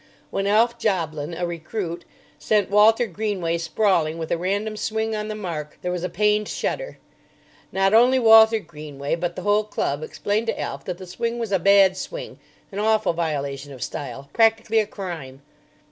When Alf Joblin, a recruit, sent Walter Greenway sprawling with a random swing on the mark, there was a pained shudder. Not only Walter Greenway, but the whole club explained to Alf that the swing was a bad swing, an awful violation of style, practically a crime.